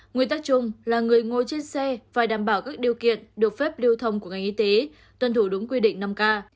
nguyên tắc chung là người ngồi trên xe phải đảm bảo các điều kiện được phép lưu thông của ngành y tế tuân thủ đúng quy định năm k